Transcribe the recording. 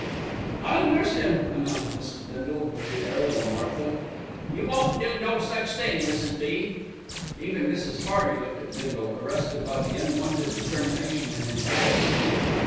"I'll nurse him!" announced Mrs. Bindle with the air of a Martha. "You won't do no such thing, Mrs. B." Even Mrs. Hearty looked at Bindle, arrested by the unwonted determination in his voice.